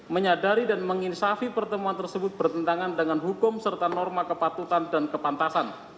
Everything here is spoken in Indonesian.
menyadari dan menginsafi pertemuan tersebut bertentangan dengan hukum serta norma kepatutan dan kepantasan